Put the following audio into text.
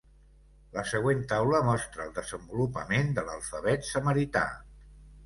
La següent taula mostra el desenvolupament de l'alfabet samarità.